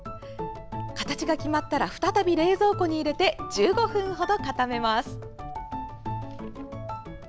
形が決まったら再び冷蔵庫に入れて１５分ほど固めます。